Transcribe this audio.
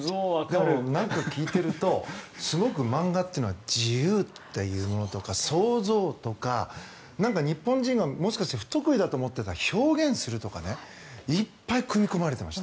なんか聞いていると、すごく漫画というのは自由というのとか想像とか、日本人がもしかして不得意だと思っていた表現するとかいっぱい組み込まれてました。